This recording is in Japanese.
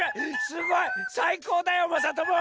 すごい！さいこうだよまさとも。